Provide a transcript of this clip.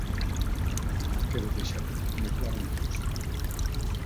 Quero deixar moi clara unha cousa.